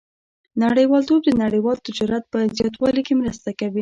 • نړیوالتوب د نړیوال تجارت په زیاتوالي کې مرسته وکړه.